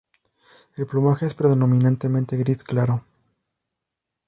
El plumaje es predominantemente gris claro.